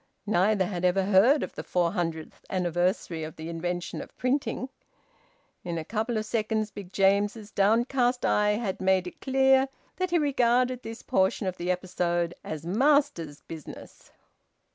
Neither had ever heard of the four hundredth anniversary of the invention of printing. In a couple of seconds Big James's downcast eye had made it clear that he regarded this portion of the episode as master's business.